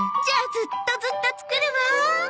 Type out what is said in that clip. じゃあずっとずっと作るわ。